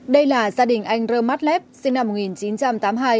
đây là gia đình anh rơm mát lép sinh năm một nghìn chín trăm tám mươi hai